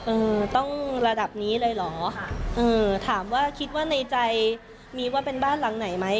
เออต้องระดับนี้เลยเหรอค่ะเออถามว่าคิดว่าในใจมีว่าเป็นบ้านหลังไหนไหม